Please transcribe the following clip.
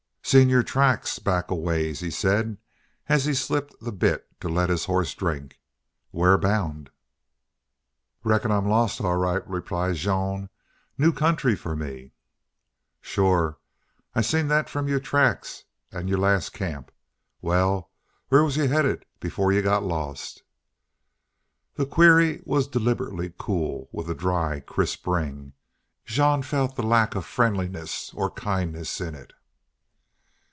"Seen your tracks back a ways," he said, as he slipped the bit to let his horse drink. "Where bound?" "Reckon I'm lost, all right," replied Jean. "New country for me." "Shore. I seen thet from your tracks an' your last camp. Wal, where was you headin' for before you got lost?" The query was deliberately cool, with a dry, crisp ring. Jean felt the lack of friendliness or kindliness in it.